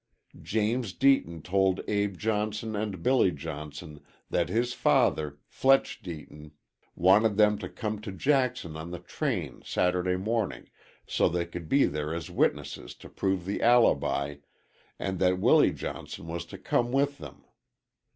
James Deaton told Abe Johnson and Billy Johnson that his father, Fletch Deaton, wanted them to come to Jackson on the train Saturday morning, so they could be there as witnesses to prove the alibi, and that Willie Johnson was to come with them.